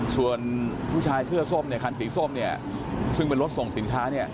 ส่วนผู้ชายเสื้อส้มคันสีส้มซึ่งเป็นรถส่งสินค้า